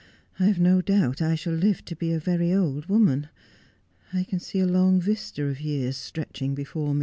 I have no doubt I shall live to be a very old woman. I can see a long vista of years stretching before me.'